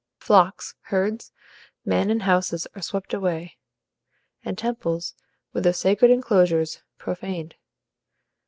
Flocks, herds, men, and houses are swept away, and temples, with their sacred enclosures, profaned.